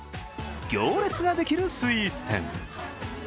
行列ができるスイーツ店。